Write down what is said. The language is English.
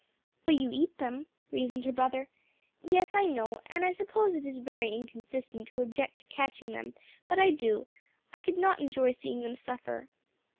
"But you eat them," reasoned her brother. "Yes, I know, and I suppose it is very inconsistent to object to catching them, but I do. I could not enjoy seeing them suffer."